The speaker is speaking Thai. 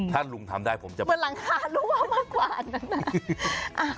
ถ้าลุงทำได้ผมจะเหมือนหลังคารั่วมากกว่านั้นนะ